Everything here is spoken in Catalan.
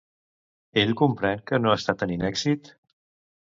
Ell comprèn que no està tenint èxit?